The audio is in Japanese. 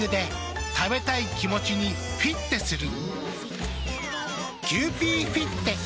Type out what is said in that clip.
食べたい気持ちにフィッテする。